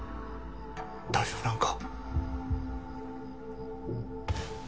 大丈夫なんか？